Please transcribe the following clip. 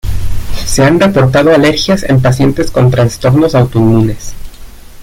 Se han reportado alergias en pacientes con trastornos autoinmunes.